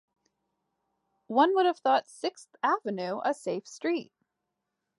One would have thought Sixth Avenue a safe street!